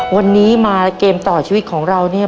วันนี้มาเกมต่อชีวิตของเราเนี่ย